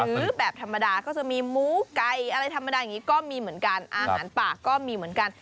หรือแบบธรรมดาก็จะมีหมูไก่อะไรธรรมดาอย่างนี้ก็มีเหมือนกันอาหารปากก็มีเหมือนกัน